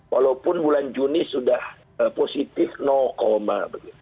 walaupun bulan juni sudah positif no koma